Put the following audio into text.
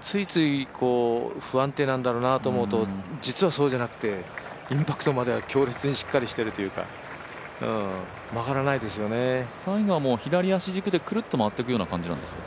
ついつい不安定なんだろうなって思うと実はそうじゃなくてインパクトまでは強烈にしっかりしているというか最後は左足軸でくるっと回っていくような感じなんですか？